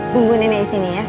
tunggu nenek disini ya